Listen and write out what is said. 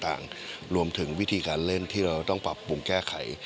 รวมถึงวิธีการเล่นที่เราต้องปรับปรุงแก้ไข